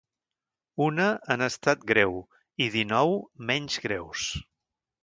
Una en estat greu i dinou menys greus.